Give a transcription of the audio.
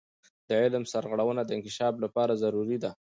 د علم سرغړونه د انکشاف لپاره ضروري ده.